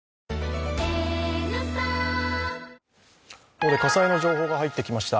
ここで火災の情報が入ってきました。